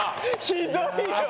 ひどいよ！